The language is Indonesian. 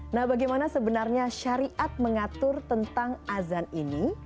nah bagaimana sebenarnya syariat mengatur tentang azan ini